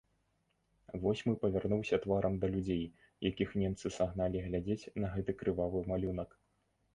Восьмы павярнуўся тварам да людзей, якіх немцы сагналі глядзець на гэты крывавы малюнак.